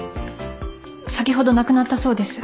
先ほど亡くなったそうです